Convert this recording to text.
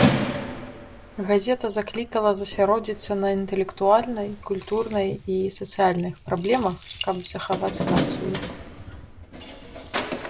Газета заклікала засяродзіцца на інтэлектуальнай, культурнай і сацыяльнай праблемах каб захаваць нацыю.